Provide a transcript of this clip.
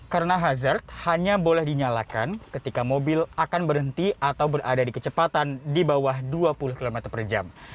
karena hazard hanya boleh dinyalakan ketika mobil akan berhenti atau berada di kecepatan di bawah dua puluh km per jam